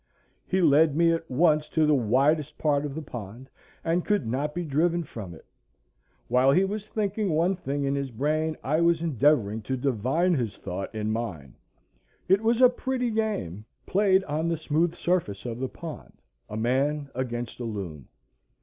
He led me at once to the widest part of the pond, and could not be driven from it. While he was thinking one thing in his brain, I was endeavoring to divine his thought in mine. It was a pretty game, played on the smooth surface of the pond, a man against a loon.